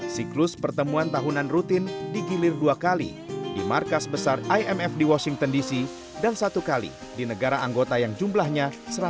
siklus pertemuan tahunan rutin digilir dua kali di markas besar imf di washington dc dan satu kali di negara anggota yang jumlahnya